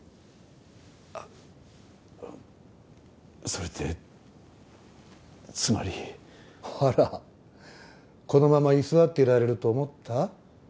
あっそれってつまりあらこのまま居座っていられると思った？